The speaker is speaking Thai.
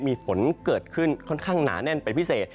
มีฝนเกิดขึ้นค่อนข้างหนาแน่นเป็นพิเศษ